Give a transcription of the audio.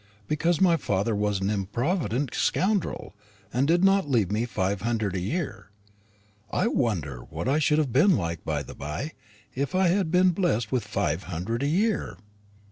Because my father was an improvident scoundrel, and did not leave me five hundred a year. I wonder what I should have been like, by the bye, if I had been blest with five hundred a year?"